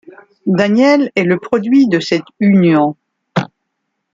Daniel est le produit de cette union.